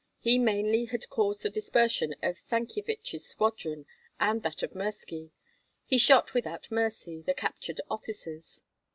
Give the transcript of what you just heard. He mainly had caused the dispersion of Stankyevich's squadron and that of Mirski; he shot without mercy the captured officers.